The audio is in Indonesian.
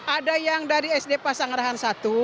ada yang dari sd pasang rahan satu